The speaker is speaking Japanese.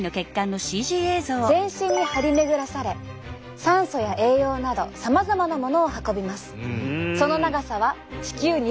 全身に張り巡らされ酸素や栄養などさまざまなものを運びます。